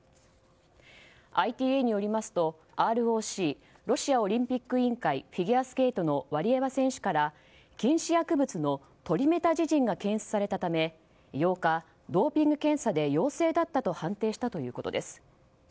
ＩＴＡによりますとＲＯＣ・ロシアオリンピック委員会フィギュアスケートのワリエワ選手から禁止薬物のトリメタジジンが検出されたため８日、ドーピング検査で陽性だったと判定したということです。